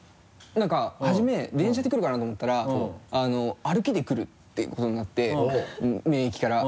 何か初め電車で来るかなと思ったら歩きで来るってことになって名駅から。